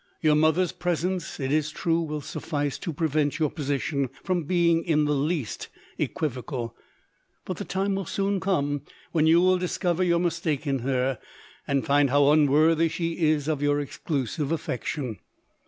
Your mother's presence, it is true, will suffice to prevent your position from being in the Least equivocal ; but the time will soon come when you will discover your mistake in her, and find how unworthy she is of your exclusive affection.